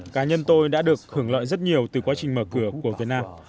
cá nhân tôi đã được hưởng lợi rất nhiều từ quá trình mở cửa của việt nam